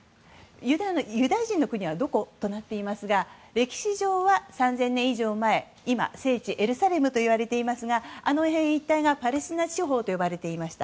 ユダヤ人の国はどことなっていますが歴史上は３０００年以上前今、聖地エルサレムといわれていますがあの辺一帯がパレスチナ地方と呼ばれていました。